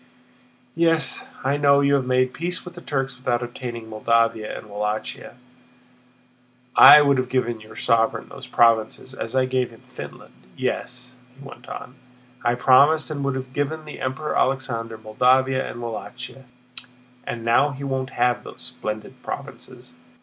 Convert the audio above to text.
"Yes, I know you have made peace with the Turks without obtaining Moldavia and Wallachia; I would have given your sovereign those provinces as I gave him Finland. Yes," he went on, "I promised and would have given the Emperor Alexander Moldavia and Wallachia, and now he won't have those splendid provinces.